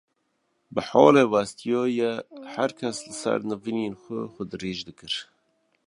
bi halê westiyayê her kes li ser nivînên xwe, xwe dirêj dikir.